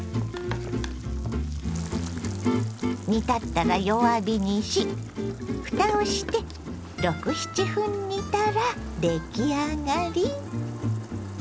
煮立ったら弱火にしふたをして６７分煮たら出来上がり。